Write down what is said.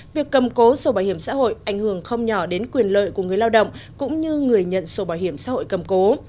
việc cầm cố sổ bảo hiểm xã hội ảnh hưởng không nhỏ đến quyền lợi của người lao động cũng như người nhận sổ bảo hiểm xã hội cầm cố